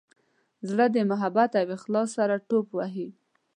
زړه د محبت او اخلاص سره ټوپ وهي.